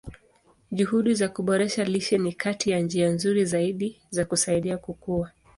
Juhudi za kuboresha lishe ni kati ya njia nzuri zaidi za kusaidia kukua.